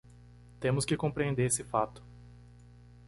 Temos que compreender esse fato.